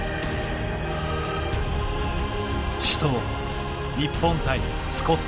死闘日本対スコットランド。